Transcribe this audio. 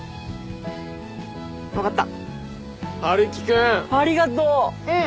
分かった。